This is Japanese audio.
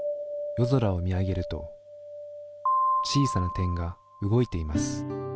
夜空を見上げると小さな点が動いています。